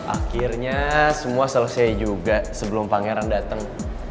akhirnya semua selesai juga sebelum pangeran datang